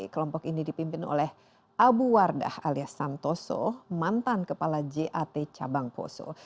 kelompok ini dipimpin oleh abu wardah alias santoso mantan kepala jat cabang poso